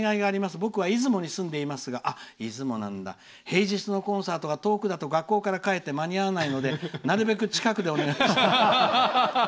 僕は出雲に住んでいますが平日のコンサートは、遠くだと学校から帰って間に合わないのでなるべく近くでお願いします。